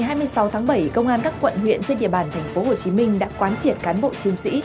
từ chiều ngày hai mươi sáu tháng bảy công an các quận huyện trên địa bàn tp hcm đã quán triển cán bộ chiến sĩ